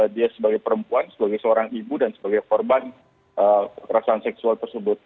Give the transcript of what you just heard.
dia sebagai perempuan sebagai seorang ibu dan sebagai korban kekerasan seksual tersebut